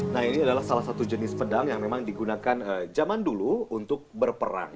nah ini adalah salah satu jenis pedang yang memang digunakan zaman dulu untuk berperang